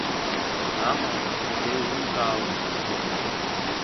Амала изеилымкаауаз ыҟан…